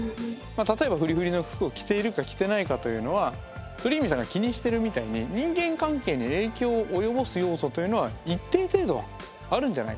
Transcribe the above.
例えばフリフリの服を着ているか着てないかというのはどりーみぃさんが気にしてるみたいに人間関係に影響を及ぼす要素というのは一定程度はあるんじゃないかなということは実験からも言えるわけですよね。